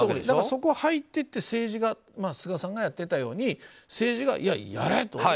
だからそこをを入っていって菅さんがやってたように政治が、やれ！と。